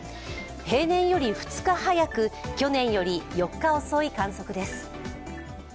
平年より２日早く、去年より４日遅い観測です。